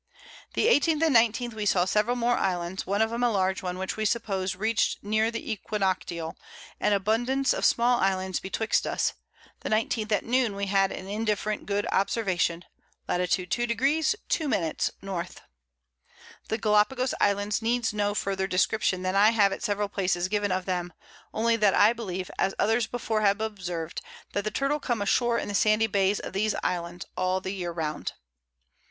The 18th and 19th we saw several more Islands, one of 'em a large one, which we suppos'd reach'd near the Equinoctial, and abundance of small Islands betwixt us; the 19th at Noon, we had an indifferent good Observation. Lat. 2°. 2´´. N. The Gallapagos Islands need no further Description than I have at several Places given of them; only that I believe, as others before have observed, that the Turtle come a shore in the sandy Bays of these Islands, all the Year round.